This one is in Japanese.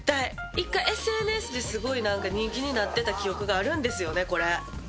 一回ＳＮＳですごいなんか人気になってた記憶があるんですよね、これ。